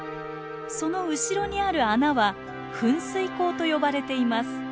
その後ろにある穴は噴水孔と呼ばれています。